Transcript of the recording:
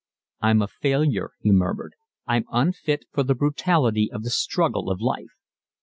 "I'm a failure," he murmured, "I'm unfit for the brutality of the struggle of life.